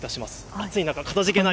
暑い中、かたじけない。